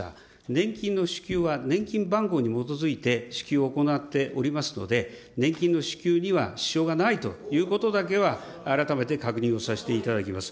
年金の支給は年金番号に基づいて支給を行っておりますので、年金の支給には支障がないということだけは、改めて確認をさせていただきます。